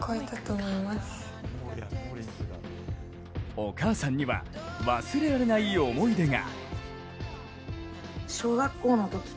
お母さんには忘れられない思い出が。